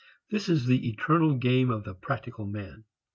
This is the eternal game of the practical men.